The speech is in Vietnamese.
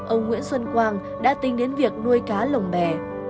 ông nguyễn xuân quang đã tính đến việc nuôi cá lồng bè